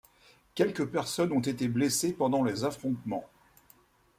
Quelques personnes ont été blessées pendant les affrontements.